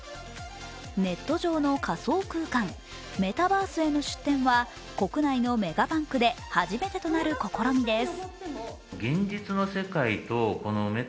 ネット上の仮想空間、メタバースへの出店は国内のメガバンクで初めてとなる試みです。